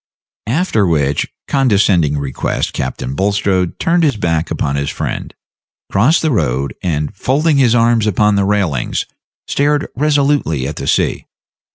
After which condescending request Captain Bulstrode turned his back upon his friend, crossed the road, and, folding his arms upon the railings, stared resolutely at the sea.